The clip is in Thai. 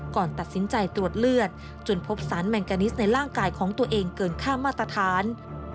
ก่อนตัดสินใจตรวจเลือดจนพบสารแมงกานิสในร่างกายของตัวเองเกินค่ามาตรฐาน